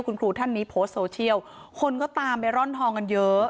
คุณครูท่านนี้โพสต์โซเชียลคนก็ตามไปร่อนทองกันเยอะ